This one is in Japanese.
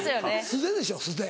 素手でしょ素手。